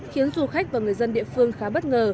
khiến du khách và người dân địa phương khá bất ngờ